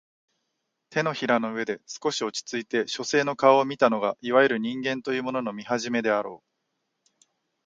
掌の上で少し落ちついて書生の顔を見たのがいわゆる人間というものの見始めであろう